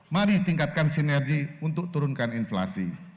mari tingkatkan sinergi untuk turunkan inflasi